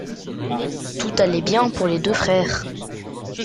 Tout allait bien pour les deux frères.